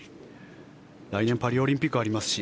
来年、パリオリンピックがありますし。